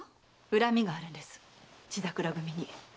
恨みがあるんです血桜組に。